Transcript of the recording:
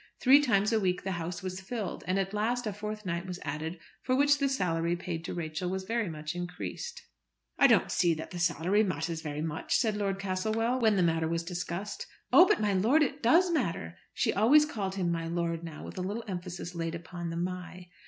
Three times a week the house was filled, and at last a fourth night was added, for which the salary paid to Rachel was very much increased. "I don't see that the salary matters very much," said Lord Castlewell, when the matter was discussed. "Oh, but, my lord, it does matter!" She always called him my lord now, with a little emphasis laid on the "my."